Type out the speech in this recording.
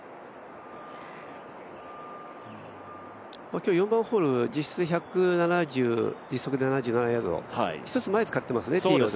今日４番ホール実測で１７７ヤード、１つ前使ってますね、ティーを。